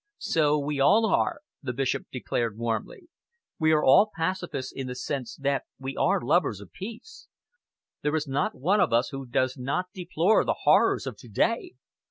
"So we all are," the Bishop declared warmly. "We are all pacifists in the sense that we are lovers of peace. There is not one of us who does not deplore the horrors of to day.